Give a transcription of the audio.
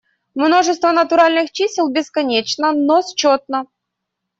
Множество натуральных чисел бесконечно, но счетно.